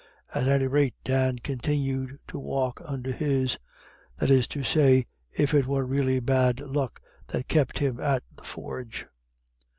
At any rate, Dan continued to walk under his; that is to say, if it were really bad luck that kept him at the forge.